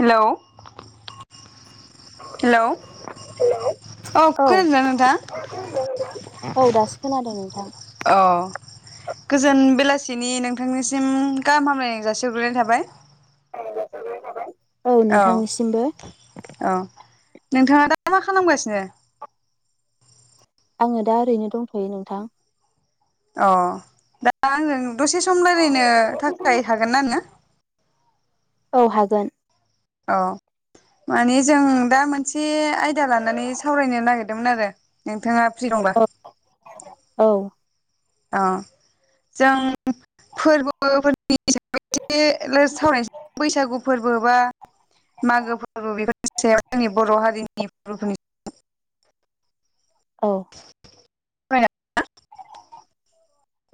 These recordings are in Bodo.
हेलौ हेलौ औ औ खोनादोंना नोंथां औ दासो खोनादों नोंथां औ गोजोन बेलासिनि नोंथांनिसिम गाहाम हामलायनाय जासि हग्रोनाय थाबाय । [unintelligible] थाबाय औ नोंथांनिसिमबो औ नोंथाङा दा मा खालामगासिनो? आङो दा ओरैनो दंथ'यो नोंथां । अ दा आङो दसे सम रायलायनो थाखाय हागोन ना नोङो? औ हागोन औ माने जों दा मोन से आयदा लानानै सावरायनो नागिर दोंमोन आरो नोंथाङा फ्रि दंबा औ अ जों फोरबो फोर नि सायाव एसे राय-सावरायनो बैसागु फोरबो बा मागो फोरबो बेफोरनि सायाव जोंनि बर' हारिनि फोरबोफोरनि सायाव औ सावराय जागोनना?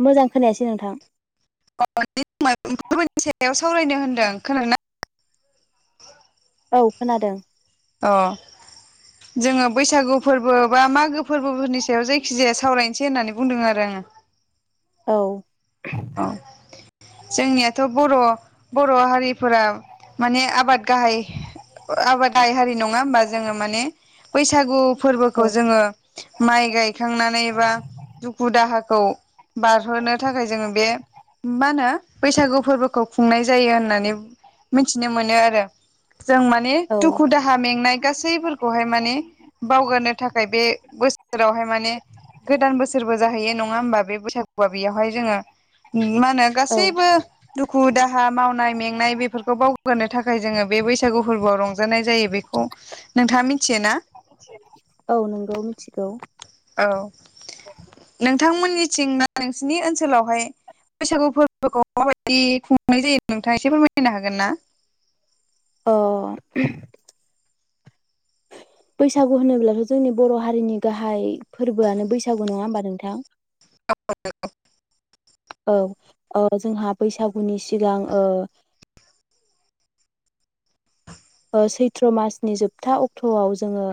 मोजां खोनायासै नोंथां अ [unintelligible] फोरबोनि सायाव सावरायनो होनदों खोनादोंना औ खोनादों अ जोङो बैसागु फोरबो बा मागो फोरबोफोरनि सायाव जायखि जाया सावरायनोसै होननानै बुंदों आरो आङो औ औ जोंनियाथ' बर' बर' हारिफोरा माने आबाद गाहाय आबाद गाहाय हारि नङा होमबा जोङो माने बैसागु फोरबोखौ औ जोङो माइ गायखांनानै बा दुखु दाहाखौ बारहोनो थाखाय जोङो मा होनो बैसागु फोरबोखौ खुंनाय जायो होननानै मिथिनो मोनो आरो जों माने औ दुखु दाहा मेंनाय गासैफोरखौहाय माने बावगारनो थाखाय बे बो बोसोरावहाय माने गोदान बोसोरबो जाहैयो नङा होमबा बे बैसागुआ बेयावहाय जोङो [unintelligible] औ गासैबो दुखु दाहा मावनाय मेंनाय बेफोरखौ बावगो थाखाय थाखाय जोङो बे बैसागु फोरबोआव रंजानाय जायो बे नोंथाङा मिथियो ना? औ नोंगौ मिथिगौ औ। नोंथांमोननिथिंना नोंसिनि ओनसोलावहाय बैसागु फोरबोखौ माबायदि खुंनाय जायो नोंथां एसे फोरमायायनो हागोन ना? अ बैसागु होनोब्लाथ जोंनि बर' हारिनि गाहाय‌ फोरबोआनो बैसागु नङा होमबा? नोंथां [unintelligible] औ ओ जोंहा बैसागुनि सिगां ओ ओ सैथ्र मासनि जोबथा अक्टआव जोङो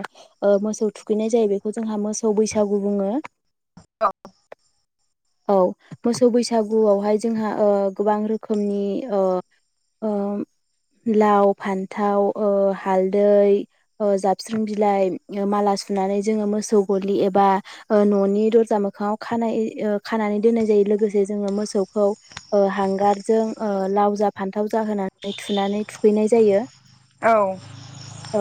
ओ‌ मोसौ थुखैनाय जायो बेखौ जोंहा मोसौ बैसागु बुङो। औ मोसौ बैसागुआवहाय जोंहा ओ‌ गोबां रोखोमनि ओ ओ लाव फान्थाव ओ‌ हालदै ओ जाबस्रां बिलाइ माला सुनानै जोङो मोसौ गलि एबा न'नि दरजा मोखाङाव खानाय खानानै दोननाय जायो लोगोसे जोङो मोसौखौ ओ हांगारजों ओ लाव जा फान्थाव जा होनानै थुनानै थुखैनाय जायो। औ औ औ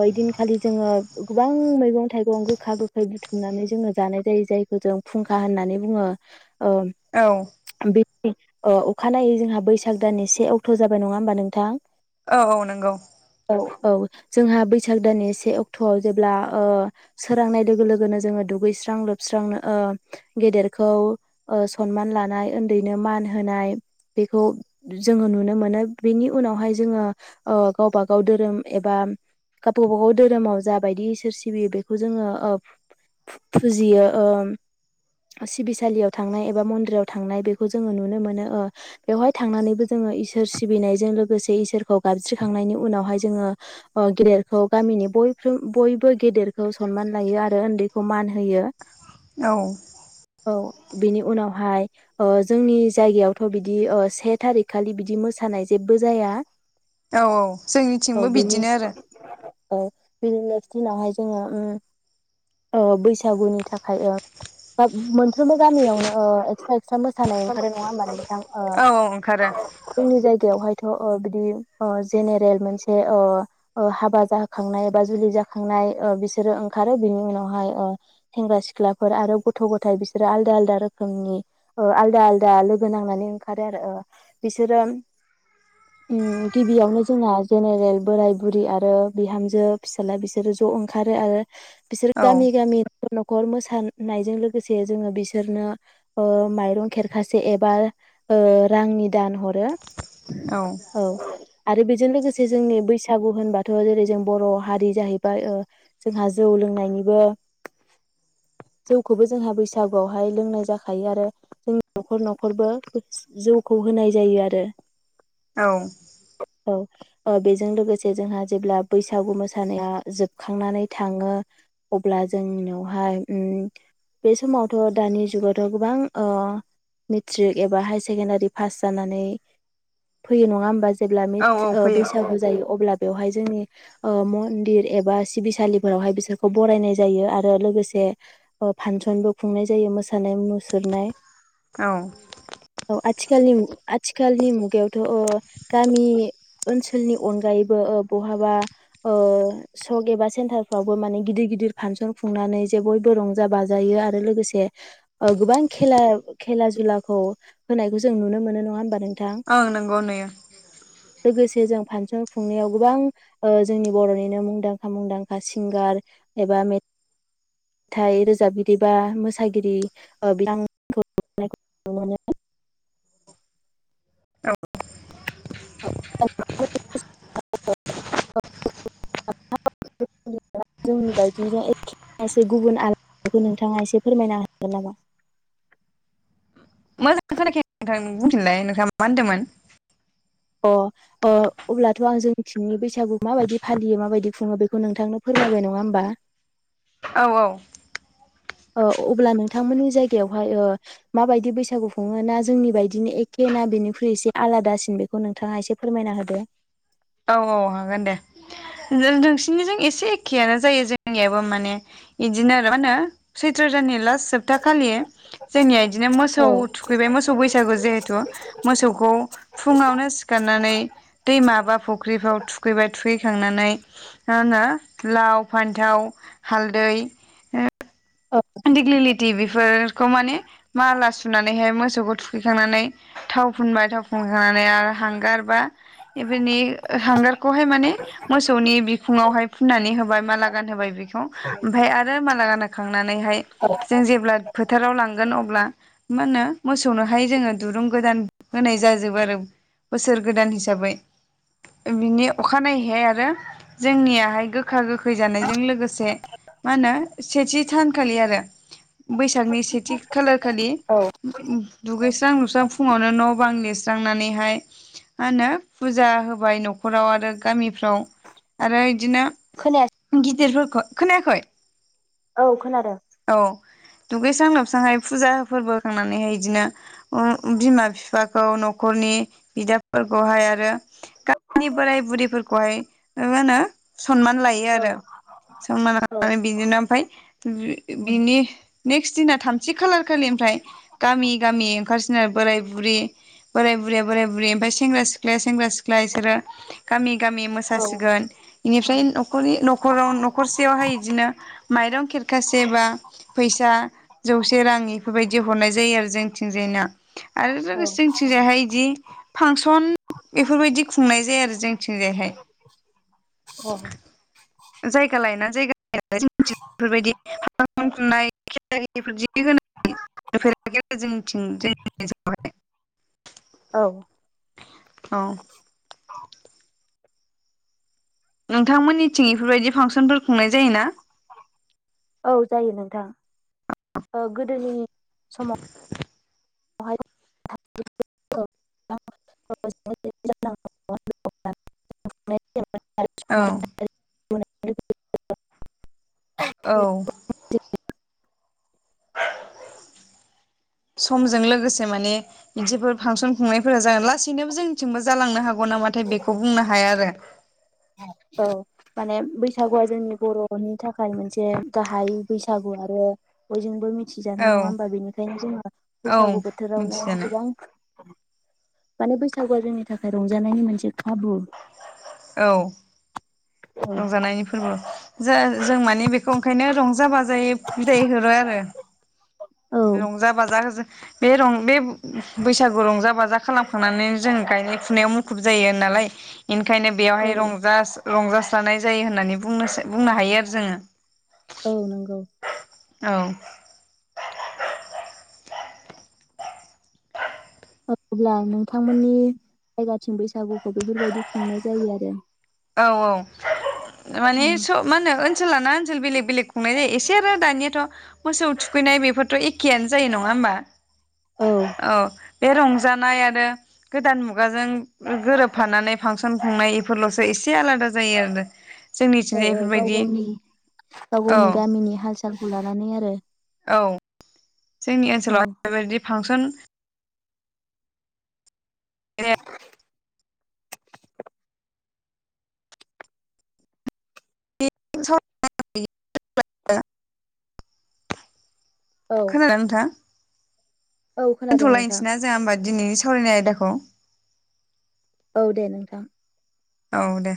ओइदिन खालि जोङो गोबां मैगं थाइगं गोखा गोखै बुथुमनानै जोङो जानाय जायो जायखौ जों फुंखा होननानै बुङो। ओ। औ ओ अखानायै जोंहा बैसाग दाननि से अक्ट जाबाय नङा होमबा नोंथां? औ औ नंगौ। औ जोंहा बैसाग दाननि से अक्टआव जेब्ला ओ सोरांनाय लोगो लोगोनो जोङो दुगैस्रां लोबस्रांनो ओ गेदेर खौ सनमान लानाय उन्दैनो मान होनाय बेखौ जोङो नुनो मोनो बेनि उनावहाय जोङो ओ गावबा गाव धोरोम एबा गाव गावबा गाव धोरोमाव जाबायदि इसोर सिबियो बेखौ ओ जोङो फु-फुजियो। सिबिसालियाव थांनाय एबा मन्दिराव थांनाय बेखौ जोङो नुनो मोनो ओ बेवहाय थांनानैबो जोङो इसोर सिबिनायजों लोगोसे इसोरखौ गाबज्रिखांनायनि उनावहाय जोङो ओ गेदेरखौ गामिनि बयबो गेदेरखौ सनमान लायो आरो उन्दैखौ मान होयो। औ। बिनि उनावहाय जोंनि जायगायावथ बिदि से थारिख खालि बिदि मोसानाय जेबो जाया। औ औ औ जोंनिथिंबो बिनि बिदिनो आरो। बिनि नेक्स्ट दिनावहाय जोङो उम ओ बैसागुनि थाखाय ओं मोनफ्रोमबो गामियावनो एक्स्रा एक्स्रा मोसानाय ओंखारो नङा होनबा औ औ ओंखारो जोंनि जायगायाव हाय‌ थ बिदि ओ जेनेरेल मोनसे ओ ओ हाबा जाखांनाय बा जुलि जाखांनाय ओ बिसोरो ओंखारो बिनि उनावहाय ओ सेंग्रा सिख्लाफोर आरो गथ गथ' गथाइ बिसोरो आलदा आलदा रोखोमनि आलदा आलदा लोगो नांनानै ओंखारो आरो बिसोरो गिबियावनो जोंहा जेनेरेल बोराय बुरि आरो बिहामजो फिसाज्ला बिसोरो ज ओंखारो आरो बिसोर औ गामि गामि। नखर मोसानायजों लोगो लोगोसे जोङो बिसोरनो ओ माइरं खेरखासे एबा ओ रांनि दान हरो। औ। आरो बेजों लोगोसे जोंनि बैसागु होनबाथ जेरै जों बर' हारि जाहैबाय ओ जोंहा जौ लोंनायनिबो जौ खौबो जोंहा बैसागुआवहाय लोंनाय जाखायो आरो जोंनि न'खर न'खरबो जौखौ होनाय जायो आरो। औ। औ बेजों लोगोसे जोंहा जेब्ला बैसागु मोसानाया जोबखांनानै थाङो अब्ला जोंनावहाय उ बे समावथ दानि जुगावथ गोबां मेट्रिक एबा हायार सेकेणडारि पास जानानै फैयो नङा होमबा? जेब्ला मि औ जेब्ला फैयो बैसागु जायो अब्ला बेवहाय जोंनि ओ मन्दिर एबा सिबिसालिफोरावहाय बिसोरखौ बरायनाय जायो आरो लोगोसे फानसनबो खुंनाय जायो मोसानाय मुसुरनाय। औ औ आथिखालनि मु आथिखालनि मुगायावथ ओ गामि ओनसोलनि अनगायैबो ओ बहाबा ओ सक एबा सेन्टारफ्रावबो माने गिदिर गिदिर फानसन खुंनानै जे बयबो रंज जा बाजायो आरो लोगोसे ओ गोबां खेला खेला जुलाखौ होनायखौ जों नुनो मोनो नङा होनबा नों ओं नंगौ नुयो। लोगोसे जों फानसन खुंनायाव गोबां ओ जोंनि बरनिनो मुंदांखा मुंदांखा सिंगार एबा मे थाइ रोजाबगिरि बा मोसागिरि बिथां [unintelligible] मोनो। औ [unintelligible] नोंथाङा एसे फोरमायनो हागोन नामा? मोजां खोनाखाय नोंथां बुंफिनलाय नोंथाङा मा होनदोंमोन। अह अह अब्लाथ आं जोंथिंनि बैसागु माबायदि फालियो माबायदि खुङो बेखौ नोंथांनो फोरमायबाय नङा होमबा? औ औ। ओ अब्ला नोंथांमोननि जायगायावहाय माबायदि बैसागु खुङो ना जोंनि बायदिनो एखे ना बेनिख्रुइ एसे आलादासिन बेखौ नोंथाङा एसे फोरमायना होदो औ औ हागोन दे नोंसिनिजों एसे एखेयानो जायो जोंनियाबो माने इदिनो आरो मा होनो सैथ्र दाननि लास जोबथा खालि जोंनिया इदिनो मोसौ औ थुखैबाय मोसौ बैसागु जिहेथु मोसौखौ फुङावनो सिखारनानै दैमा बा [unintelligible] थुखैबाय थुखैखांनानै मा होनो लाव फान्थाव हालदै दिेग्लिलिटि बेफोरखौ माने माला सुनानैहाय मोसौखौ थुखैखांनानै थाव फुनबाय थाव फुनखांनानै आरो हांगारबा इबेनि हांगारखौहाय माने मोसौनि बिखुंआवहाय फुनानै होबाय माला लागान होबाय बे खौ ओमफाय आरो माला गानो खांनानैहाय जों जेब्ला फोथाराव लांगोन अब्ला मा ओनो मोसौनोहाय जोङो दुरुं गोदान होनाय जाजोबो आरो बोसोर गोदान हिसाबै बिनि अखानायैहाय आरो जोंनिया गोखा गोखै जानाय मा ओनो सेथि सानख खालि आरो बैसागनि सेथि खालार खालि औ ओ ओम दुगैस्रां लोबस्रां फुङावनो न बां लिरस स्रांनानैहाय मा होनो फुजा होबाय नखराव आरो गामि फ्राव आरो इदिनो खोनायासै गिदिरफोर खो खोनाखै औ। खोनादों। दुगैस्रां लोबस्रांहाय फुजा फोरबोखांनानैहाय इदिनो बिमा बिफाखौ नखरनि बिदाफोरखौहाय आरो गामिनि बोराय बुरैफोरखौहाय ओ माओनो सनमान लायो औ आरो सनमान औ लानानै बिदिनो ओमफाय [unintelligible] बिनि नेक्स्ट दिना थामथि खालार खालि ओमफ्राय गामि गामि ओंखारसिनो आरो बोराय बुरि बोराय बुरैया बोराय बुरै ओमफ्राय सेंग्रा सिख्लाया सेंग्रा सिख्लाय बिसोरो गामि गामि औ मोसासिगोन। इनिफ्राय न' न'खरनि-न'खर न'खरसेयावहाय बिदिनो माइरं खेरखासे फैसा जौसे रां इफोरबायदि हरनाय जायो आरो जोंथिंजायना आरो लोगोसे औ जोंथिंजायहाय इदि फांसन बेफोरबायदि खुंनाय जाया आरो जोंथिंजायहाय जायगालायना जायगा जोंथिंजाहाय बेफोरबायदि औ [unintelligible] औ नोंथांमोननिथिं इफोरबायदि फांसनफोर खुंनाय जायोना? औ जायो नोंथां औ गोदोनि समाव [unintelligible] [unintelligible] औ [unintelligible] औ समजों लोगोसे माने बिदिफोर फांसन खुंनायफोरा जागोन लासैनोबो जोंनिथिंबो जालांनो हागौ नौ नामाथाय बेखौ बुंनो हाया आरो। औ माने बैसागुआ जोंनि बर'नि थाखाय मोनसे गाहाय बैसागु आरो बयजोंबो मिथि मिथिजानाय आरो नङा औ होमबा बेनिखायनो जोङो औ बैसागु बोथोरावनो मिथिजानाय गोबां माने बैसागुआ जोंनि थाखाय रंजानायनि मोनसे खाबु औ औ रंजानायनि फोरबो। ज-जों माने बेखौ ओंखायनो रंजा बाजायै बिदाय हरो आरो। औ रंजा बाजा जों बे रं बे बैसागु रंजा बाजा खालामखांनानै जों गायनाय फुनायाव मुखुब जायो नालाय बेनिखायनो औ बेयावहाय रंजा रंजास्रानाय जायो होननानै बुंनोसो बुंनो हायो आरो जोङो। औ नंगौ। औ अब्ला नोंथांमोननि जायगाथिं बैसागुखौ बेफोरबायदि खुंनाय जायो आरो। औ औ माने सब मा होनो ओनसोल लाना ओनसोल बेलेग बेलेग खुंनाय जायो एसे आरो दानियाथ मोसौ थुखैनाय बेफोरथ एखेयानो जायो नङा होमबा? औ बे रंजानाय आरो गोदान मुगाजों गोरोबफानानै फांसन खुंनाय इफोरलस इसे आलादा जायो आरो औ जोंनिथिंजाय औ गाव बेफोरबायदि गावनि गाव औ गावनि गामिनि हाल सालखौ लानानै आरो औ जोंनि औ ओनसोलावहाय बेबायदि फांसन [unintelligible] [unintelligible] [unintelligible] औ खोनादोंना नोंथाङा? औ खोनादों नोंथां दोनथलायनोसै ना जोहा ओमबा दिनैनि सावरायनाय आयदाखौ। औ दे नोंथां औ दे